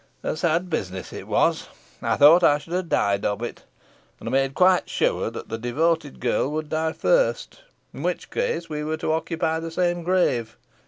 A sad business it was. I thought I should have died of it, and I made quite sure that the devoted girl would die first, in which case we were to occupy the same grave.